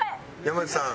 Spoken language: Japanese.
山内さん。